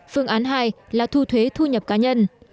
phương án hai là thu thuế thu nhập cá nhân